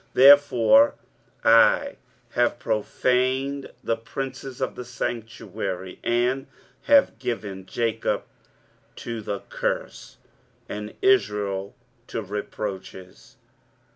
23:043:028 Therefore I have profaned the princes of the sanctuary, and have given Jacob to the curse, and Israel to reproaches.